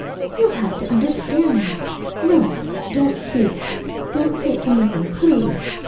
You'll have to understand. No don't speak, don't say anything, please.